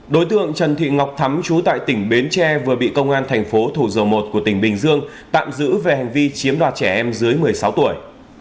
đối tượng trần thị ngọc thắm chú tại tỉnh bến tre vừa bị công an thành phố thủ dầu một của tỉnh bình dương tạm giữ về hành vi chiếm đoạt trẻ em dưới một mươi sáu tuổi